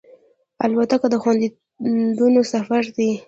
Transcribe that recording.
الوتکه د خوندونو سفر دی.